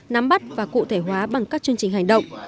nắm bắt và cụ thể hóa bằng các chương trình hành động